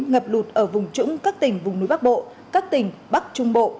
ngập lụt ở vùng trũng các tỉnh vùng núi bắc bộ các tỉnh bắc trung bộ